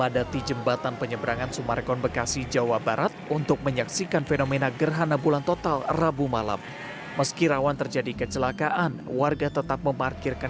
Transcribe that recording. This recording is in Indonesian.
demi menyaksikan fenomena alam yang jarang terjadi dari ketinggian